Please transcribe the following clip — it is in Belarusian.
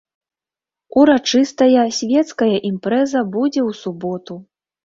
Урачыстая свецкая імпрэза будзе ў суботу.